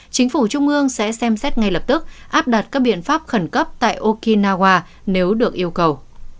chính phủ trung ương sẽ xem xét ngay lập tức áp đặt các biện pháp khẩn cấp tại okinawa nếu được yêu cầu